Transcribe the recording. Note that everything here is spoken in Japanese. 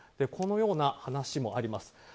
このような話もあります。